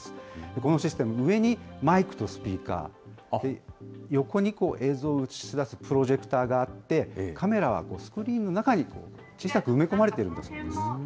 このシステム、上にマイクとスピーカー、横に映像を映し出すプロジェクターがあって、カメラはスクリーンの中に小さく埋め込まれているんだそうです。